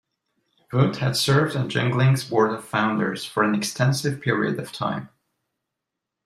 Wood had served on Ginling's Board of Founders for an extensive period of time.